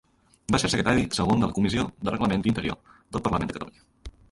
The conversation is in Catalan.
Va ser secretari segon de la comissió de Reglament Interior del Parlament de Catalunya.